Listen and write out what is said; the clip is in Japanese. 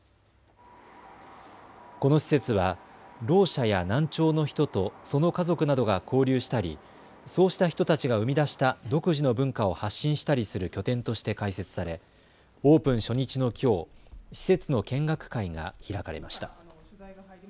この施設は、ろう者や難聴の人とその家族などが交流したりそうした人たちが生み出した独自の文化を発信したりする拠点として開設されオープン初日のきょう施設の見学会が開かれました。